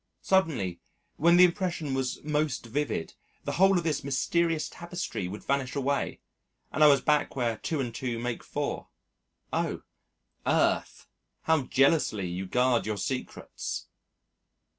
Suddenly when the impression was most vivid, the whole of this mysterious tapestry would vanish away and I was back where 2 and 2 make 4. Oh! Earth! how jealously you guard your secrets!